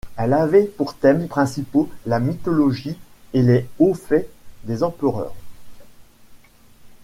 Elle avait pour thèmes principaux la mythologie et les hauts faits des empereurs.